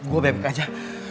gue baik baik aja